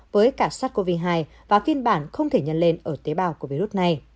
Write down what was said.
với cả sars cov hai và phiên bản không thể nhân lên ở tế bào của virus này